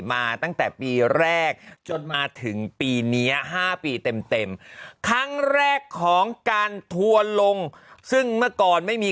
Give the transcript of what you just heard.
มาตั้งแต่ปีแรกจนมาถึงปีนี้๕ปีเต็มครั้งแรกของการทัวร์ลงซึ่งเมื่อก่อนไม่มี